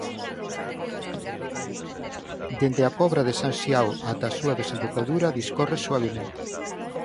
Dende a Pobra de San Xiao ata a súa desembocadura discorre suavemente.